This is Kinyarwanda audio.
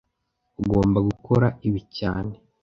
Ugomba gukora ibi cyane